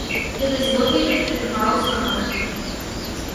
It is located in Karlskrona.